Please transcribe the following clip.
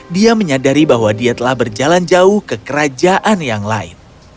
dia menyadari bahwa dia telah berjalan jauh ke kerajaan yang lain